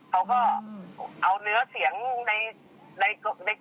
เขาก็เอาเนื้อเสียงในกลุ่มเดียวกันเนี่ยนะครับ